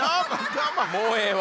もうええわ。